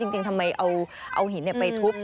จริงทำไมเอาหินไปทุบ